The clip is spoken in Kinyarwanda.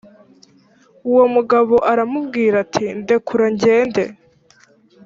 uwo mugabo aramubwira ati ndekura ngende